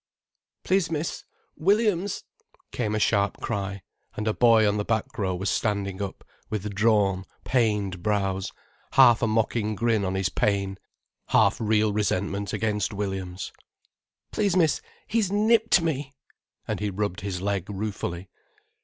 "Please, miss, Williams——" came a sharp cry, and a boy on the back row was standing up, with drawn, pained brows, half a mocking grin on his pain, half real resentment against Williams—"Please, miss, he's nipped me,"—and he rubbed his leg ruefully.